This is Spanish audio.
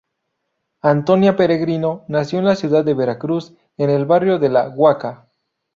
Antonia Peregrino nació en la ciudad de Veracruz en el barrio de La Huaca.